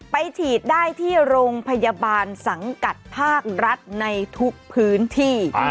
ไปฉีดได้ที่โรงพยาบาลสังกัดภาครัฐในทุกพื้นที่